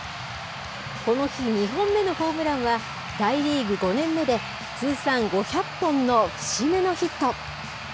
この日、２本目のホームランは、大リーグ５年目で通算５００本の節目のヒット。